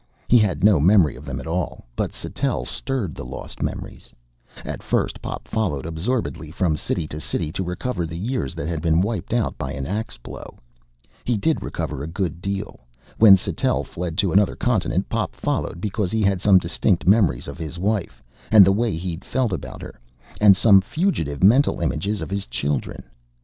He had no memory of them at all. But Sattell stirred the lost memories. At first Pop followed absorbedly from city to city, to recover the years that had been wiped out by an axe blow. He did recover a good deal. When Sattell fled to another continent, Pop followed because he had some distinct memories of his wife and the way he'd felt about her and some fugitive mental images of his children.